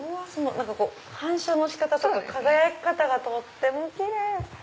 反射の仕方とか輝き方がとってもキレイ！